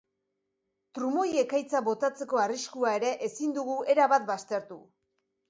Trumoi-ekaitza botatzeko arriskua ere ezin dugu erabat baztertu.